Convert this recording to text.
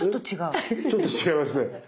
ちょっと違いますね。